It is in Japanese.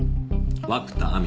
涌田亜美。